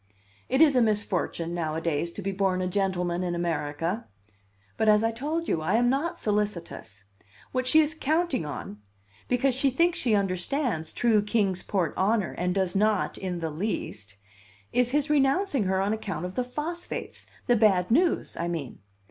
It is a misfortune, nowadays, to be born a gentleman in America. But, as I told you, I am not solicitous. What she is counting on because she thinks she understands true Kings Port honor, and does not in the least is his renouncing her on account of the phosphates the bad news, I mean.